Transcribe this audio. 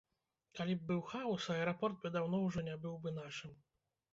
Калі б быў хаос, аэрапорт бы даўно ўжо не быў бы нашым.